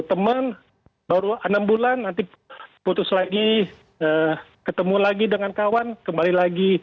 teman baru enam bulan nanti putus lagi ketemu lagi dengan kawan kembali lagi